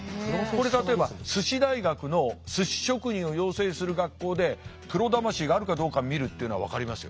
これ例えばすし大学のすし職人を養成する学校でプロ魂があるかどうか見るっていうのは分かりますよ。